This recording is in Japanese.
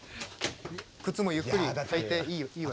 靴もゆっくり履いていいわよ。